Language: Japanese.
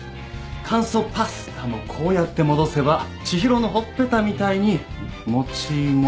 乾燥パスタもこうやって戻せば知博のほっぺたみたいにもちもちさ。